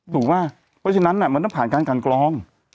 ป่ะเพราะฉะนั้นมันต้องผ่านการกันกรอง